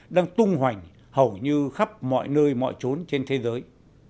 đang tung hoành hầu như khắp mọi nơi mọi trốn trên thế giới